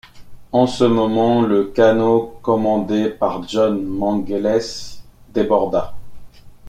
En ce moment, le canot, commandé par John Mangles, déborda.